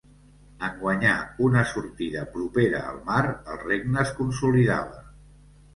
En guanyar una sortida propera al mar, el regne es consolidava.